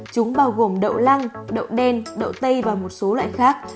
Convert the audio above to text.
chúng bao gồm đậu lăng đậu đen đậu tây và một số loại khác